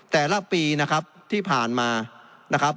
แต่ละปีนะครับที่ผ่านมานะครับ